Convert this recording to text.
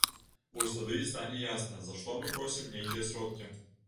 Вось тады і стане ясна, за што мы просім нейкія сродкі.